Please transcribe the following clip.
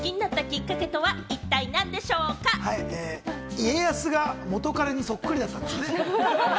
家康が元彼にそっくりだったんですね。